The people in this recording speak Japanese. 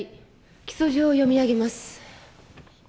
起訴状を読み上げます。